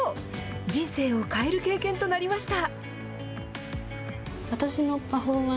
人生を変える経験となりました。